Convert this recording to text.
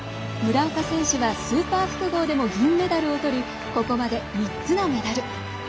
村岡選手はスーパー複合でも銀メダルをとりここまで３つのメダル。